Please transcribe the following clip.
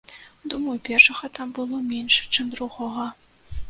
Думаю, першага там было менш, чым другога.